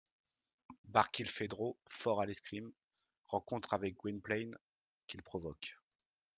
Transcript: Barkilphedro fort à l’escrime. — Rencontre avec Gwynplaine qu’il provoque.